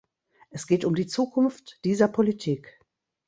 Es geht um die Zukunft dieser Politik.